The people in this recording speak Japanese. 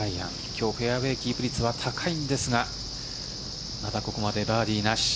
今日はフェアウェーキープ率は高いんですがまだここまでバーディーなし。